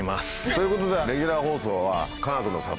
ということでレギュラー放送はかがくの里？